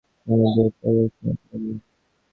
বিনোদিনী পড়িয়া শুনাইতে লাগিল।